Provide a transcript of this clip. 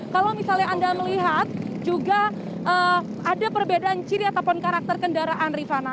kalau misalnya anda melihat juga ada perbedaan ciri ataupun karakter kendaraan rifana